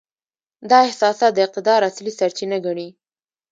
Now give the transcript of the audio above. دا احساسات د اقتدار اصلي سرچینه ګڼي.